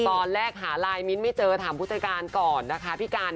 ตอนแรกหาลายมิ้นท์ไม่เจอถามผู้จัดการก่อนนะคะพี่การ